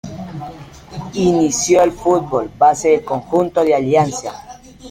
Inició en el fútbol base del conjunto de Alianza.